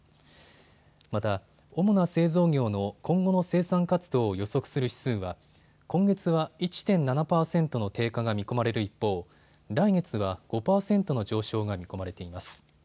また主な製造業の今後の生産活動を予測する指数は今月は１．７％の低下が見込まれる一方、来月は５％の上昇が見込まれています。